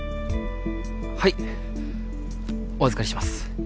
はいお預かりします